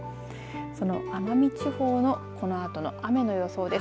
その奄美地方のこのあとの雨の予想です。